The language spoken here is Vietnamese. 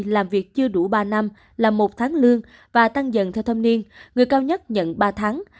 làm việc chưa đủ ba năm là một tháng lương và tăng dần theo thâm niên người cao nhất nhận ba tháng